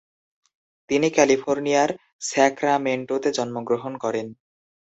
তিনি ক্যালিফোর্নিয়ার স্যাক্রামেন্টোতে জন্মগ্রহণ করেন।